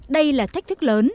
đây là thách thức lớn